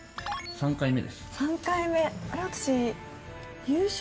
３回目。